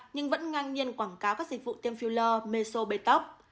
nhưng vẫn ngang nhiên quảng cáo các dịch vụ tiêm filler meso bê tóc